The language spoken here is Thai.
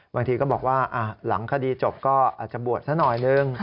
บางทีก็บอกว่าหลังคดีจบก็อาจจะบวชซะหน่อยนึง